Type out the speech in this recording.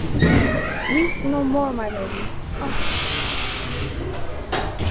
Weep no more my lady, oh!